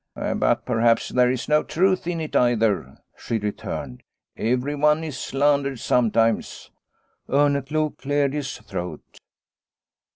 " But perhaps there is no truth in it either," she returned, " everyone is slandered sometimes." Orneclou cleared his throat.